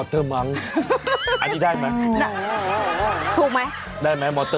ถูกไหม